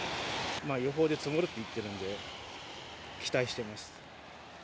予報で積もるっていってるので、期待してます。